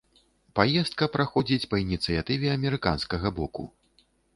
Паездка праходзіць па ініцыятыве амерыканскага боку.